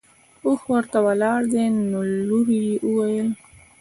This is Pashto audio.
اوښ ورته ولاړ دی نو لور یې وویل.